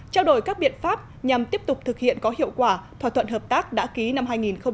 trao đổi các biện pháp nhằm tiếp tục thực hiện có hiệu quả thỏa thuận hợp tác đã ký năm hai nghìn một mươi năm